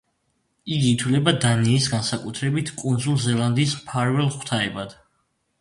იგი ითვლება დანიის, განსაკუთრებით კუნძულ ზელანდიის მფარველ ღვთაებად.